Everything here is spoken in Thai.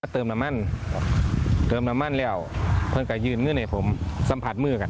เติมลามันเติมลามันแล้วผมก็ยืนเมื่อไหนผมสัมผัสมือกัน